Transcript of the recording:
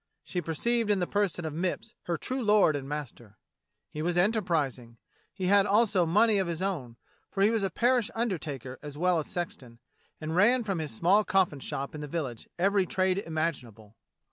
She perceived in the person of Mipps her true lord and master. He was enterprising, he had also money of his own, for he was parish undertaker as well as sexton, and ran from his small coflSn shop in the village every trade imaginable.